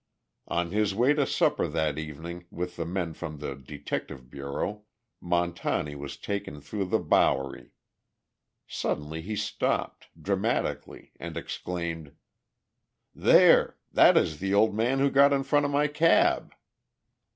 On his way to supper that evening with men from the Detective Bureau, Montani was taken through the Bowery. Suddenly he stopped, dramatically, and exclaimed: "There! That is the old man who got in front of my cab!"